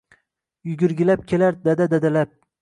Yugurgilab kelar «Dada-dadalab».